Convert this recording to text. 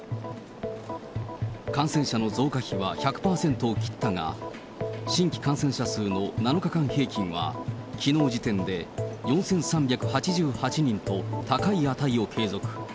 感染者の増加比は１００％を切ったが、新規感染者数の７日間平均は、きのう時点で４３８８人と高い値を継続。